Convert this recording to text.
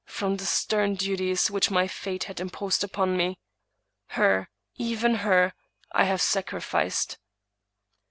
from the stern duties which my fate had imposed upon me — her, even her, I have sacrificed.